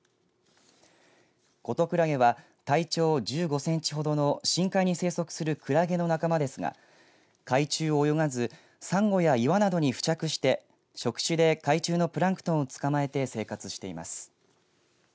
コトクラゲは体長１５センチほどの深海に生息するくらげの仲間ですが海中を泳がずさんごや岩などに付着して触手で海中のプランクトンをつかまえて生活しています。